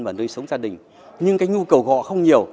và nơi sống gia đình nhưng cái nhu cầu họ không nhiều